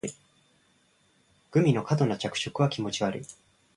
グミの過度な着色は気持ち悪い